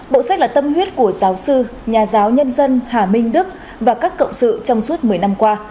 bộ sách là tâm huyết của giáo sư nhà giáo nhân dân hà minh đức và các cộng sự trong suốt một mươi năm qua